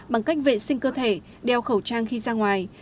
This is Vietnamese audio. bằng cách vệ sinh cơ thể đeo khẩu trang khi ra ngoài